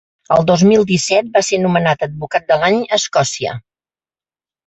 El dos mil disset va ser nomenat ‘advocat de l’any’ a Escòcia.